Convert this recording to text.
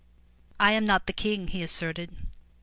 "I am not the King,'' he asserted.